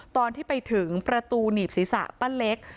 ตอนที่ไปถึงประตูหนีบศีรษะป้าเล็ก